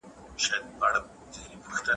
جګړه د انسانانو هیلې په اوبو لاهو کوي.